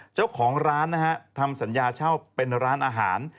เจ้าของร้านนะฮะทำสัญญาเช่าเป็นร้านอาหาร